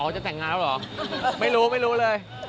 จะแต่งงานแล้วเหรอไม่รู้ไม่รู้เลย